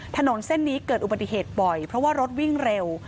ถนนเส้นนี้เกิดอุบัติเหตุบ่อยเพราะว่ารถวิ่งเร็ว